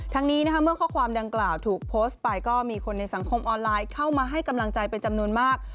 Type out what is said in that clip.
นี้เมื่อข้อความดังกล่าวถูกโพสต์ไปก็มีคนในสังคมออนไลน์เข้ามาให้กำลังใจเป็นจำนวนมาก